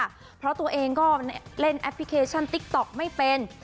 เพราะตัวเองก็เล่นแอปพลิเคชันติ๊กต๊อกไม่เป็น